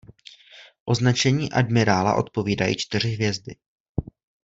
Označení admirála odpovídají čtyři hvězdy.